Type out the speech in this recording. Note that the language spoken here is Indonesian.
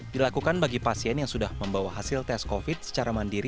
dilakukan bagi pasien yang sudah membawa hasil tes covid secara mandiri